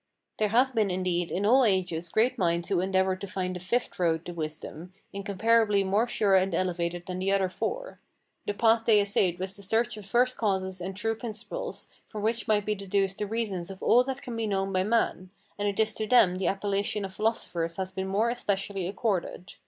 There have been, indeed, in all ages great minds who endeavoured to find a fifth road to wisdom, incomparably more sure and elevated than the other four. The path they essayed was the search of first causes and true principles, from which might be deduced the reasons of all that can be known by man; and it is to them the appellation of philosophers has been more especially accorded.